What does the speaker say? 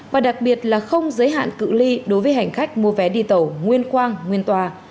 và đặc biệt là không giới hạn cự li đối với hành khách mua vé đi tàu nguyên quang nguyên tòa